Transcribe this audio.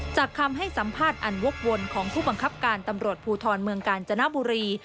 คำให้สัมภาษณ์อันวกวนของผู้บังคับการตำรวจภูทรเมืองกาญจนบุรี